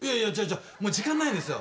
もう時間ないんですよ。